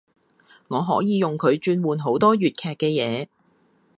我可以用佢轉換好多粵劇嘅嘢